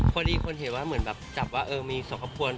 พอดีคนเห็นว่าเหมือนแบบจับว่าเออมีสมควร